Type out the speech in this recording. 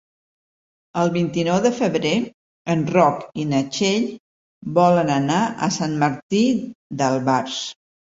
El vint-i-nou de febrer en Roc i na Txell volen anar a Sant Martí d'Albars.